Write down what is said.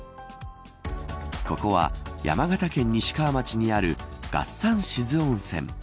ここは山形県西川町にある月山志津温泉。